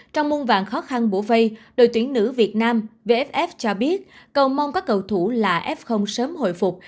trong muôn vàng khó khăn bổ vây đội tuyển nữ việt nam vff cho biết cầu mong các cầu thủ là f sớm hồi phục